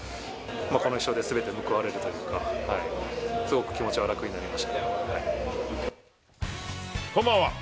この１勝ですべて報われるというか、すごく気持ちは楽になりましこんばんは。